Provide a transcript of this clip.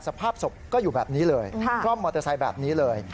สภาพศพก็อยู่แบบนี้เลยคร่อมมอเตอร์ไซค์แบบนี้เลย